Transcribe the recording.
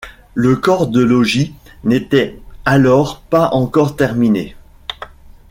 Le corps de logis n’était alors pas encore terminé.